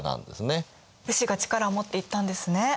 武士が力を持っていったんですね。